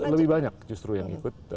lebih banyak justru yang ikut